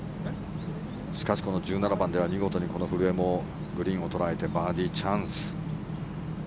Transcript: しかし、この１７番では見事に古江もグリーンを捉えてバーディーチャンス。